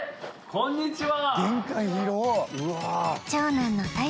こんにちは。